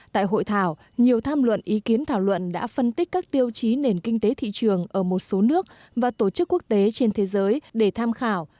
tại hội thảo nhiều tham luận ý kiến thảo luận đã phân tích các tiêu chí nền kinh tế thị trường ở một số nước và tổ chức quốc tế trên thế giới để tham khảo